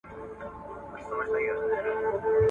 روژه د سګریټ مخه نیسي.